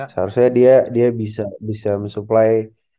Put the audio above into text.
seharusnya dia bisa supply